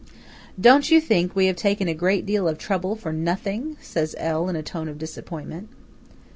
"Don't you think we have taken a great deal of trouble for nothing?" says L., in a tone of disappointment.